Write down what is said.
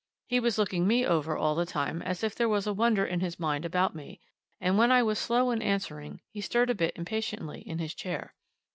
He was looking me over all the time as if there was a wonder in his mind about me, and when I was slow in answering he stirred a bit impatiently in his chair.